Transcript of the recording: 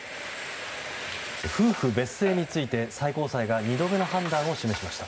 夫婦別姓について最高裁が２度目の判断を示しました。